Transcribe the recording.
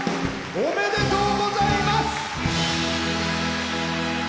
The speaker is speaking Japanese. おめでとうございます。